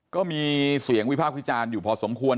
ก็มีเสียงวิภาพคุยจานอยู่พอสมควร